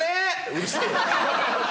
うるせえよ。